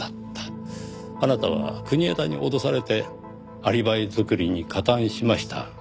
あなたは国枝に脅されてアリバイ作りに加担しました。